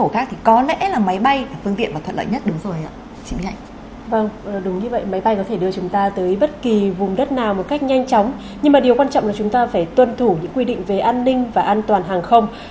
chúng ta phải tuân thủ những quy định về an ninh và an toàn hàng không